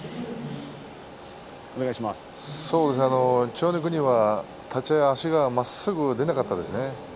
千代の国、立ち合い足がまっすぐいかなかったですね。